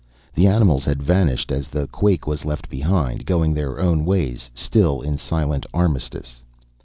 The animals had vanished as the quake was left behind, going their own ways, still in silent armistice.